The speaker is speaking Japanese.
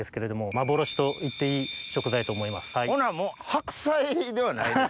ほなもう白菜ではないですか。